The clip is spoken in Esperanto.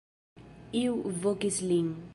Iu vokis lin.